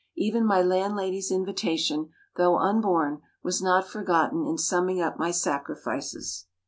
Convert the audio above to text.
Even my landlady's invitation, though unborn, was not forgotten in summing up my sacrifices.